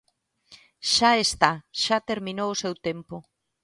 Xa está, xa terminou o seu tempo.